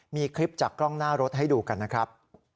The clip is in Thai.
มีคลิปจากกล้องหน้ารถให้ดูกันนะครับ